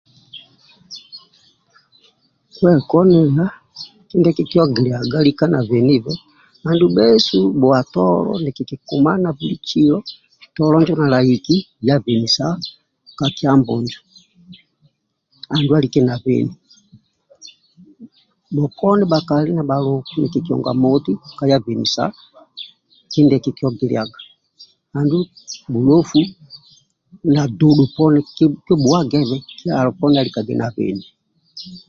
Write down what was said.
Kyekolie kindi kikiokilaga lika nabhe nibhe adubhesu bhuwa tolo nikikikumana buli tolo njo nalahiki ya bhenisa kyabu njo lika na bheni adu bhakali na bhaluku niki honga moti kha ya benisa kindi kikiokilaga adu bhu lofu na tubho poni kibuwagebe kyalo poni alikaga na beni